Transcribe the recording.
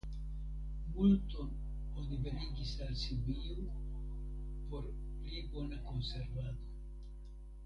Multon oni venigis al Sibiu por pli bona konservado.